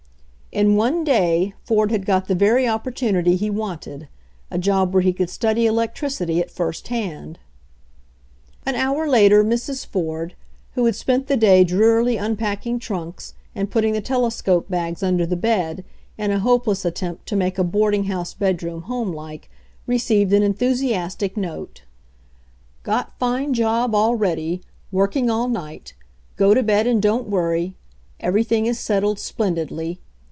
In one day Ford had got the very opportunity he wanted — a job where he could study electricity at first hand. An hour later Mrs. Fprd, who had spent the day drearily unpacking trunks and putting the telescope bags under the bed in a hopeless attempt to make a boarding house bedroom homelike, re ceived an enthusiastic note. 68 HENRY FORD'S OWN STORY "Got fine job already. Working all night Go to bed and don't worry. Everything is settled splendidly.